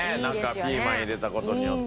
ピーマン入れた事によって。